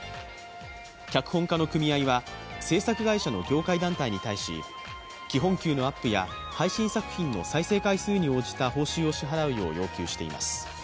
脚本家の組合は制作会社の業界団体に対し、基本給のアップや配信作品の再生回数に応じた報酬を支払うよう要求しています。